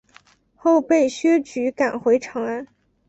后被薛举赶回长安。